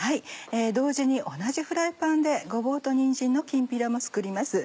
同時に同じフライパンでごぼうとにんじんのきんぴらも作ります。